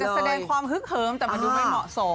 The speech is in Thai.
แสดงความฮึกเหิมแต่มันดูไม่เหมาะสม